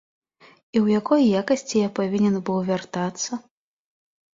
І ў якой якасці я павінен быў бы вяртацца?